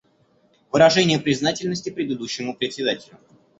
Выражение признательности предыдущему Председателю.